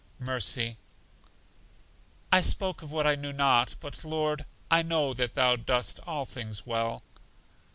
Mercy: I spoke of what I knew not; but, Lord, I know that Thou dost all things well.